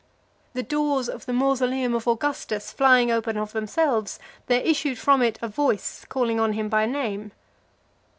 The doors of the mausoleum of Augustus flying open of themselves, there issued from it a voice, calling on him by name.